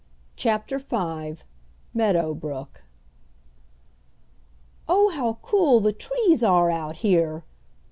CHAPTER V MEADOW BROOK "Oh, how cool the trees are out here!"